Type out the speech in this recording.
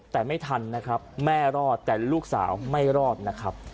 แต่ไม่ทันนะครับแม่รอดแต่ลูกสาวไม่รอดนะครับ